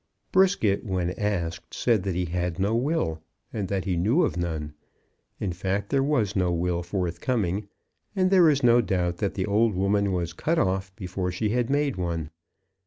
Brisket, when asked, said that he had no will, and that he knew of none. In fact there was no will forthcoming, and there is no doubt that the old woman was cut off before she had made one.